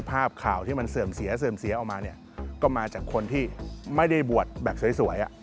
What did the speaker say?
ภาพข่าวที่มันเสริมเสียออกมาก็มาจากคนที่ไม่ได้บวชแบบสวย